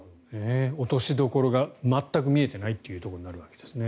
落としどころが全く見えていないというところになるわけですね。